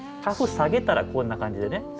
カフ下げたらこんな感じでね